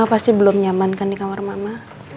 mbak pasti belum nyaman kan di kamar mbak ma